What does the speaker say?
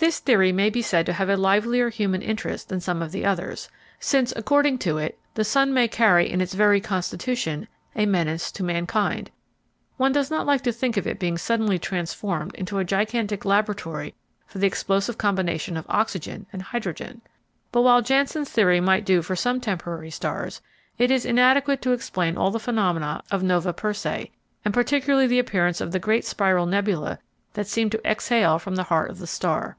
This theory may be said to have a livelier human interest than some of the others, since, according to it, the sun may carry in its very constitution a menace to mankind; one does not like to think of it being suddenly transformed into a gigantic laboratory for the explosive combination of oxygen and hydrogen! But while Janssen's theory might do for some temporary stars, it is inadequate to explain all the phenomena of Nova Persei, and particularly the appearance of the great spiral nebula that seemed to exhale from the heart of the star.